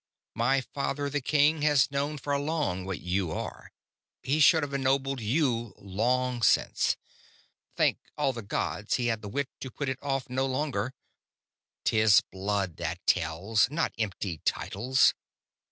My father the king has known for long what you are; he should have ennobled you long since. Thank Sarp ... thank all the gods he had the wit to put it off no longer! 'Tis blood that tells, not empty titles.